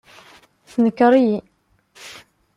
Tenker-iyi.